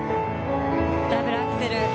ダブルアクセル。